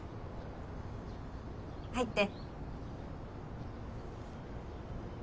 入って。